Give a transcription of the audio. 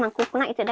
aku pernah ke sini